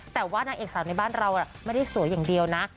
แต่ว่านางเอกสาวในบ้านเราไม่ได้สวยอย่างเดียวนะ